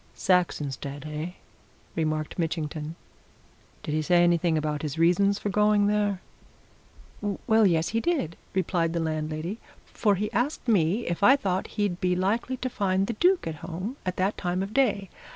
"Saxonsteade, eh?" remarked Mitchington. "Did he say anything about his reasons for going there?" "Well, yes, he did," replied the landlady. "For he asked me if I thought he'd be likely to find the Duke at home at that time of day.